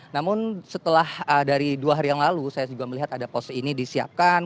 namun setelah dari dua hari yang lalu saya juga melihat ada pos ini disiapkan